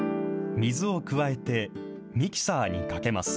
水を加えてミキサーにかけます。